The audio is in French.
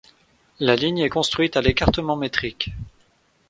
La ligne est construite à l'écartement métrique.